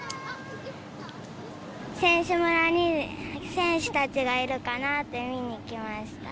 選手村に選手たちがいるかなって見に来ました。